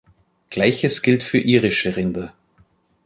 Gleiches gilt für irische Rinder.